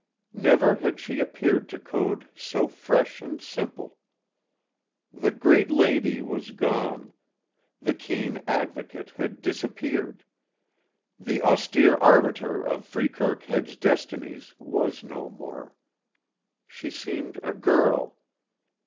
Never had she appeared to Code so fresh and simple. The great lady was gone, the keen advocate had disappeared, the austere arbiter of Freekirk Head's destinies was no more. She seemed a girl.